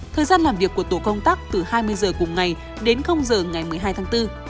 thời gian làm việc của tổ công tác từ hai mươi h cùng ngày đến giờ ngày một mươi hai tháng bốn